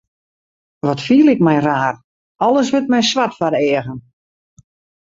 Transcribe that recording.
Wat fiel ik my raar, alles wurdt my swart foar de eagen.